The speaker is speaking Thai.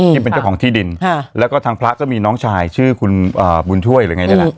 ที่เป็นเจ้าของที่ดินแล้วก็ทางพระก็มีน้องชายชื่อคุณบุญช่วยหรือไงนี่แหละ